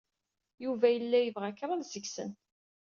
Yuba yella yebɣa kraḍ seg-sen.